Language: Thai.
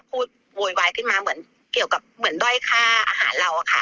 โวยวายขึ้นมาเหมือนเกี่ยวกับเหมือนด้อยค่าอาหารเราอะค่ะ